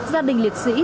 gia đình liệt sĩ